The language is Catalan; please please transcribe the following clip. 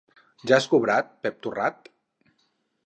Ja has cobrat, Pep Torrat!